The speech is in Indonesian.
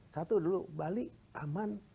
satu dulu bali aman